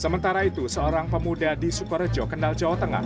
sementara itu seorang pemuda di sukorejo kendal jawa tengah